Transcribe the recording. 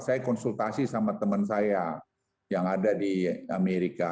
saya konsultasi sama teman saya yang ada di amerika